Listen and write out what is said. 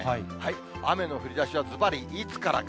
雨の降りだしはずばりいつからか。